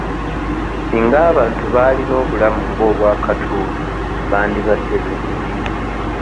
Singa abantu baalina obulamu ng'obwa katuuni bandibadde beesimye.